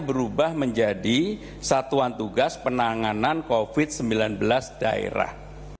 berubah menjadi satuan tugas penanganan covid sembilan belas daerah